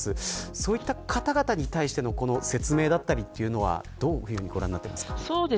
そういった方々に対しての説明だったりというのはどういうふうにご覧になってますか。